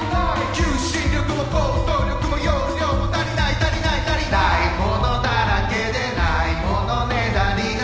求心力も行動力も要領も足りない足りない足り無いものだらけで無いものねだりな